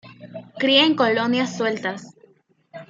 Cría en colonias sueltas.